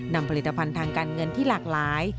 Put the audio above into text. นำผลิตภัณฑ์ทางการเงินที่หลากหลาย